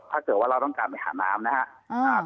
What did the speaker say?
ถ้าเกิดว่าเราต้องการไปหาน้ำนะครับ